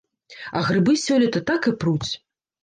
А грыбы сёлета так і пруць!